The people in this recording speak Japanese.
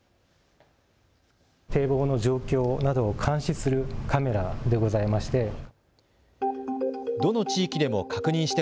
堤防の状況などを監視するカメラでございまして。